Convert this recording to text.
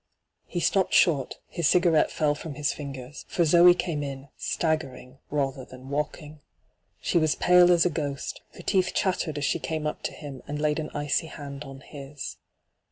He stopped short, his cigarette fell from his fingers, for Zoe came in, staggering rather than walking. She was pale as a ghost ; her teeth chattered as she came up to him and laid an icy hand on his.